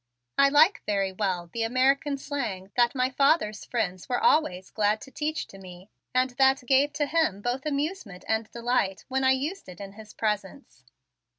I liked very well the American slang that my father's friends were always glad to teach to me, and that gave to him both amusement and delight when I used it in his presence.